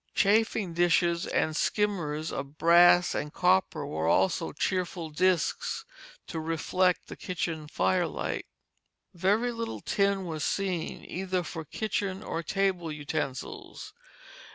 Chafing dishes and skimmers of brass and copper were also cheerful discs to reflect the kitchen firelight. Very little tin was seen, either for kitchen or table utensils.